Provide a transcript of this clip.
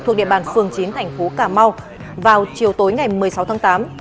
thuộc địa bàn phường chín thành phố cà mau vào chiều tối ngày một mươi sáu tháng tám